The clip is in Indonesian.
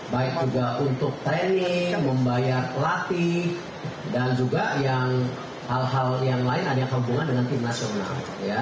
baik juga untuk training membayar pelatih dan juga yang hal hal yang lain ada yang hubungan dengan tim nasional